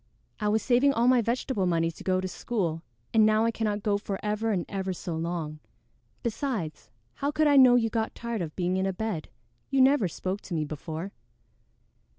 I was saving all my vegetable money to go to school, and now I cannot go for ever and ever so long. Besides, how could I know you got tired of being in a bed? You never spoke to me before."